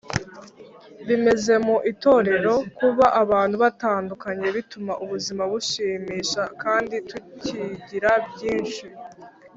bimeze mu itorero Kuba abantu batandukanye bituma ubuzima bushimisha kandi tukigira byinshi